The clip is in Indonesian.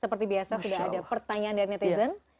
seperti biasa sudah ada pertanyaan dari netizen